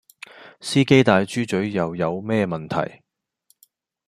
司機戴豬嘴又有咩問題?